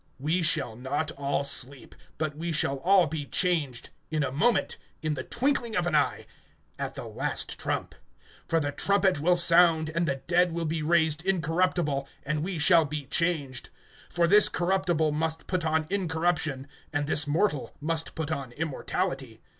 We shall not all sleep, but we shall all be changed, (52)in a moment, in the twinkling of an eye, at the last trump; for the trumpet will sound, and the dead will be raised incorruptible, and we shall be changed. (53)For this corruptible must put on incorruption, and this mortal must put on immortality.